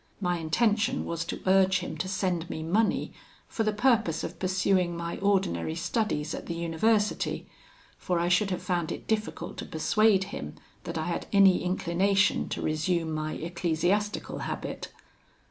My intention was to urge him to send me money for the purpose of pursuing my ordinary studies at the University, for I should have found it difficult to persuade him that I had any inclination to resume my ecclesiastical habit.